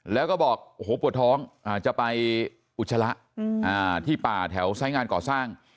แล้วก็บอกโอ้โหปวดท้องจะไปอุจจาระที่ป่าแถวสายงานก่อสร้าง